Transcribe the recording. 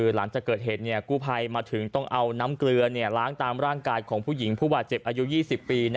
หลังจากเกิดเหตุกู้ภัยมาถึงต้องเอาน้ำเกลือล้างตามร่างกายของผู้หญิงผู้บาดเจ็บอายุ๒๐ปี